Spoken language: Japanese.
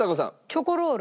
チョコロール。